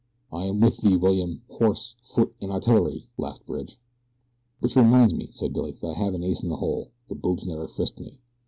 "I am with thee, William! horse, foot, and artillery," laughed Bridge. "Which reminds me," said Billy, "that I have an ace in the hole the boobs never frisked me."